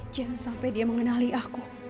jangan sampai dia mengenali aku